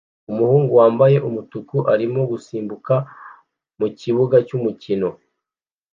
Umuhungu wambaye umutuku arimo gusimbuka mukibuga cyumukino